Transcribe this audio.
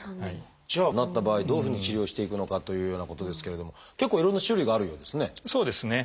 じゃあなった場合どういうふうに治療していくのかというようなことですけれども結構いろんな種類があるようですね。